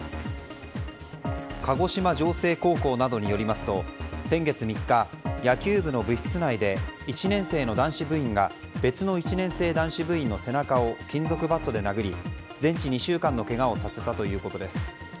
鹿児島城西高校などによりますと、先月３日野球部の部室内で１年生の男子部員が別の１年生男子部員の背中を金属バットで殴り全治２週間のけがをさせたということです。